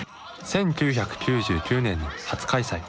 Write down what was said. １９９９年に初開催。